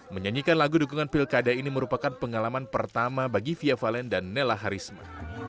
menyanyikan lagu dukungan pilkada ini merupakan pengalaman pertama bagi fia valen dan nela harisma